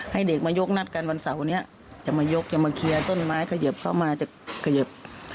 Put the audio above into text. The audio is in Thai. ให้เด็กมายกนัดกันวันเสาร์นี้จะมายกจะมาเคลียร์ต้นไม้เขยิบเข้ามาจะเขยิบ